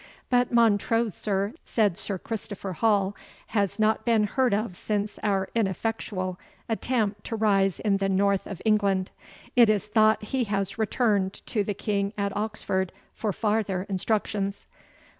"But Montrose, sir," said Sir Christopher Hall, "has not been heard of since our ineffectual attempt to rise in the north of England. It is thought he has returned to the King at Oxford for farther instructions."